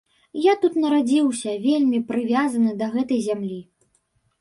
Я тут нарадзіўся, вельмі прывязаны да гэтай зямлі.